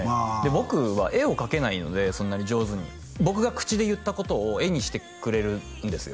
僕は絵を描けないのでそんなに上手に僕が口で言ったことを絵にしてくれるんですよ